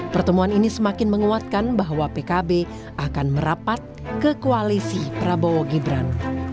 pertemuan ini semakin menguatkan bahwa pkb akan merapat ke koalisi prabowo gibran